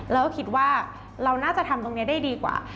แล้วก็คิดว่าเราน่าจะทำตรงนี้ได้ดีกว่า